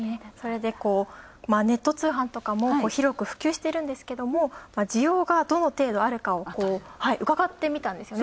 ネット通販とかも広く普及してるんですけども需要が、どの程度あるかをうかがってみたんですよね。